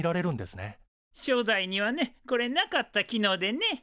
初代にはねこれなかった機能でね。